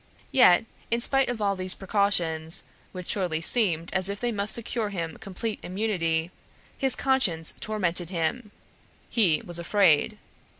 Yet, in spite of all these precautions, which surely seemed as if they must secure him complete immunity, his conscience tormented him; he was afraid.